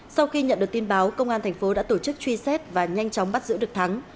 sau khi nhận được tin báo công an thành phố đã tổ chức truy xét và nhanh chóng bắt giữ được thắng